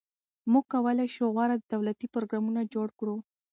موږ کولای شو غوره دولتي پروګرامونه جوړ کړو.